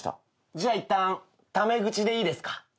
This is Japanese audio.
じゃあいったんタメ口でいいですか？